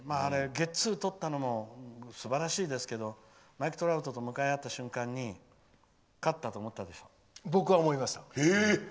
ゲッツーをとったのもすばらしいですけどマイク・トラウトと向かい合った瞬間に勝ったと思ったでしょ？